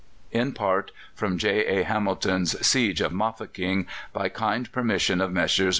In part from J. A. Hamilton's "Siege of Mafeking," by kind permission of Messrs.